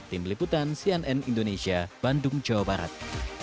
tim liputan cnn indonesia bandung jawa barat